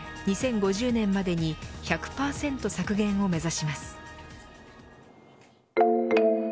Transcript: ２０５０年までに１００％削減を目指します。